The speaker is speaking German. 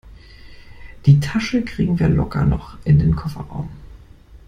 Die Tasche kriegen wir locker noch in den Kofferraum.